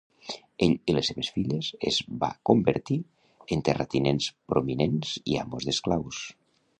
Ell i les seves filles es va convertir en terratinents prominents i amos d'esclaus.